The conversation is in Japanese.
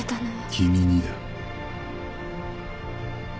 君にだ。